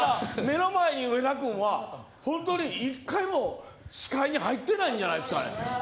目の前にいる上田君は本当に一回も視界に入ってないんじゃないですか、あれ。